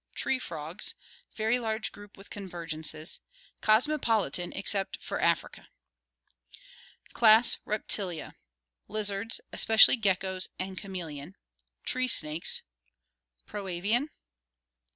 Tree frogs. Very large group with convergences. Cosmopolitan except for Africa. Class Reptilia Lizards, especially geckoes and chameleon. Tree snakes. "Proavian"?